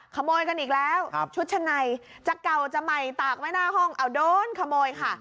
ขโมยกันอีกแล้วชุดชั้นในจะเก่าจะใหม่ตากไว้หน้าห้องเอาโดนขโมยค่ะ